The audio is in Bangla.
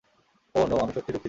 ওহ, নো, আমি সত্যিই দুঃখিত।